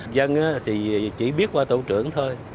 dân thì chỉ biết qua tổ trưởng thôi